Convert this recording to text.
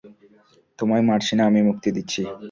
তোমায় মারছি না আমি, মুক্তি দিচ্ছি।